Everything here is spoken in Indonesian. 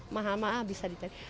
maha maha bisa di tarik